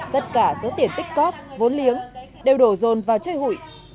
tất cả số tiền tích cóp vốn liếng đều đổ dồn vào chơi hụi